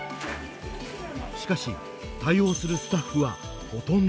しかし対応するスタッフはほとんどボランティア。